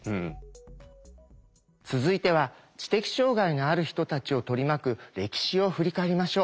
続いては知的障害のある人たちを取り巻く歴史を振り返りましょう。